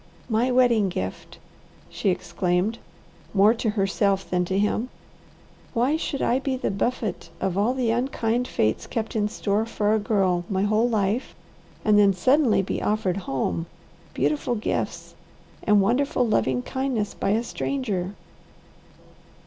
"My wedding gift!" she exclaimed, more to herself than to him. "Why should I be the buffet of all the unkind fates kept in store for a girl my whole life, and then suddenly be offered home, beautiful gifts, and wonderful loving kindness by a stranger?"